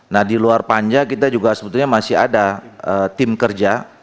nah di luar panja kita juga sebetulnya masih ada tim kerja